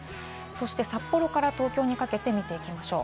札幌から東京にかけてみていきましょう。